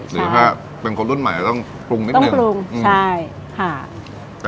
หรือถ้าเป็นคนรุ่นใหม่ต้องปรุงนิดนึงปรุงใช่ค่ะ